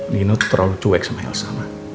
nino tuh terlalu cuek sama elsa